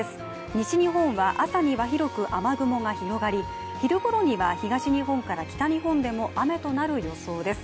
西日本は朝には広く雨雲が広がり昼ごろには東日本から北日本でも雨となる予想です。